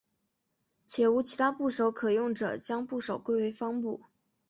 且无其他部首可用者将部首归为方部。